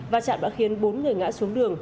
va chạm đã khiến bốn người ngã xuống đường